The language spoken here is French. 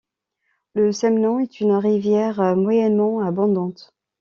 Le Semnon est une rivière moyennement abondante.